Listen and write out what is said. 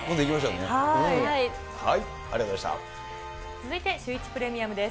続いてシューイチプレミアムです。